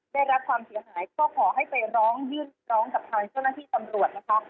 ได้รับความเสียหายก็ขอให้ไปร้องยื่นร้องกับทางเจ้าหน้าที่ตำรวจนะคะ